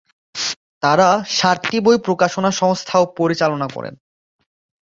তারা সাতটি বই প্রকাশনা সংস্থাও পরিচালনা করে।